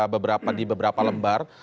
beberapa di beberapa lembar